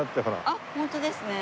あっホントですね。